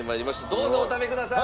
どうぞお食べください！